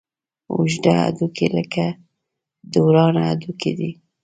اوږده هډوکي لکه د ورانه هډوکي دي.